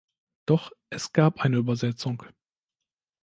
Doch, es gab eine Übersetzung.